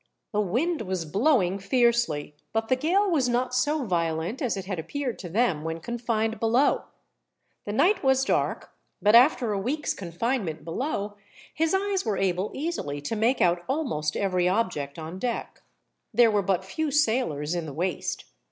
The wind was blowing fiercely, but the gale was not so violent as it had appeared to them when confined below. The night was dark, but after a week's confinement below, his eyes were able easily to make out almost every object on deck. There were but few sailors in the waist.